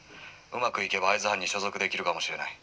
うまくいけば会津藩に所属できるかもしれない」。